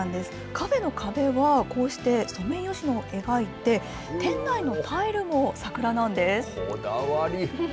カフェの壁はこうしてソメイヨシノを描いて、店内のタイルも桜なこだわり。